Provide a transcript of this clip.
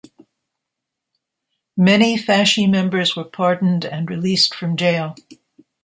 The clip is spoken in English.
Many Fasci members were pardoned and released from jail.